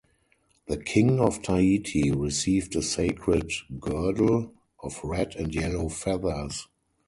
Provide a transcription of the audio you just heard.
The king of Tahiti received a sacred girdle of red and yellow feathers.